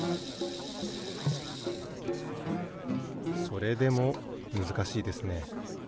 それでもむずかしいですね。